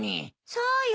そうよ。